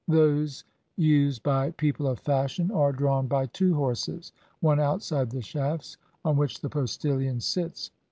Those used by people of fashion are drawn by two horses, one outside the shafts, on which the postillion sits.